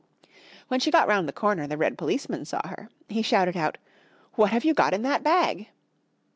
When she got round the corner the red policeman saw her. He shouted out, "What have you got in that bag?"